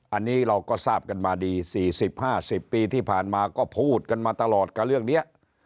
อันนี้เราก็ทราบกันมาดี๔๐๕๐ปีที่ผ่านมาก็พูดกันมาตลอดกับเรื่องนี้